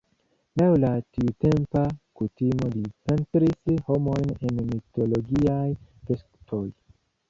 Laŭ la tiutempa kutimo li pentris homojn en mitologiaj vestoj.